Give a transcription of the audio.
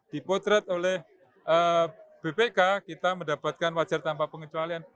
dipotret oleh bpk kita mendapatkan wajar tanpa pengecualian